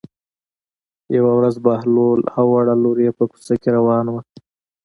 یوه ورځ بهلول او وړه لور یې په کوڅه کې روان وو.